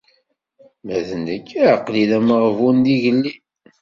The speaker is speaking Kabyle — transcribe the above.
Ma d nekk, aql-i d ameɣbun, d igellil.